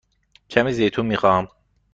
کمی زیتون می خواهم.